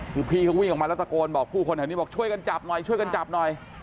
พวกพี่เขาวิ่งออกมาแล้วตะโกลให้ช่วยกันจับหน่อยช่วยกันจับหน่อย